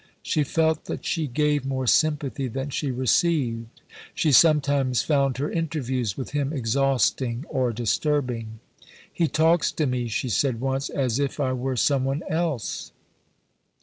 She felt that she gave more sympathy than she received; she sometimes found her interviews with him exhausting or disturbing; "he talks to me," she said once, "as if I were some one else."